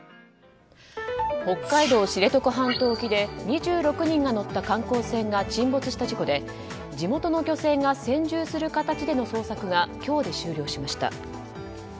北海道知床半島沖で２６人が乗った観光船が沈没した事故で地元の漁船が専従する形での捜索が今日で終了しました。